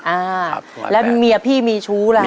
อ่าแล้วเมียพี่มีชู้ล่ะ